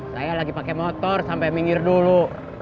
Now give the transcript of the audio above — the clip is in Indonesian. saya lagi pake motor sampe minggir dulu